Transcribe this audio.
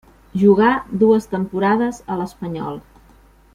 Jugà dues temporades a l'Espanyol.